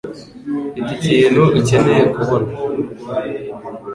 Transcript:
Mfite ikintu ukeneye kubona.